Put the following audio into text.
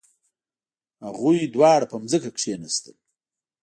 هغوی دواړه په ځمکه کښیناستل.